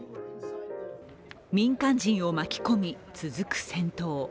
民間人を巻き込み、続く戦闘。